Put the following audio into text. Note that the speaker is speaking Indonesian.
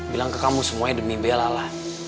bilang ke kamu semuanya demi bela lah